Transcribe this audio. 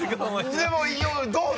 でもどうだ？